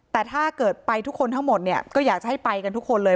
แต่ถ้าเกิดไปทุกคนทั้งหมดเนี่ยก็อยากจะให้ไปกันทุกคนเลย